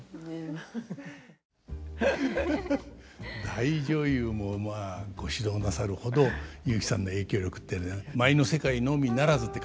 大女優もまあご指導なさるほど雄輝さんの影響力って舞の世界のみならずって感じですけども。